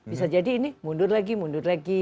bisa jadi ini mundur lagi mundur lagi